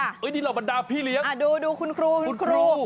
เฮ้ยนี่เหล่าบรรดาพี่เลี้ยงอ่าดูดูคุณครูคุณครูคุณครู